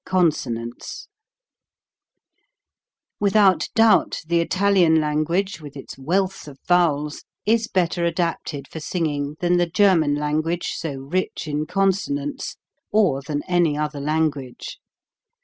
CONSONANTS WITHOUT doubt the Italian language with its wealth of vowels is better adapted for singing than the German language so rich in consonants, or than any other language.